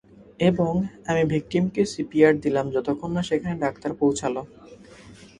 এবং আমি ভিক্টিমকে সিপিয়ার দিলাম যতক্ষণ না সেখানে ডাক্তার পৌঁছালো।